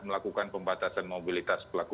melakukan pembatasan mobilitas pelaku